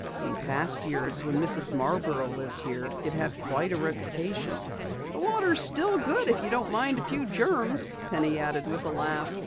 "In the past years when Mrs. Marborough lived here, it had quite a reputation." "The water is still good if you don't mind a few germs," Penny added with a laugh.